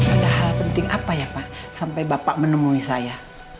ada hal penting apa ya pak sampai bapak menemui saya